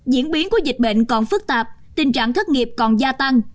diễn biến của dịch bệnh còn phức tạp tình trạng thất nghiệp còn gia tăng